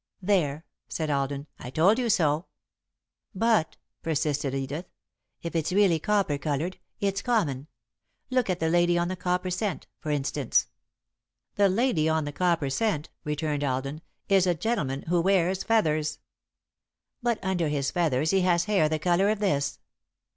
"There," said Alden, "I told you so." "But," persisted Edith, "if it's really copper coloured, it's common. Look at the lady on the copper cent, for instance." "The lady on the copper cent," returned Alden, "is a gentleman who wears feathers." "But under his feathers he has hair the colour of this."